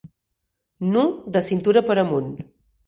Nu de cintura per amunt.